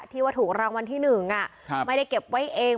ที่ว่าถูกรางวัลที่หนึ่งอ่ะครับไม่ได้เก็บไว้เอง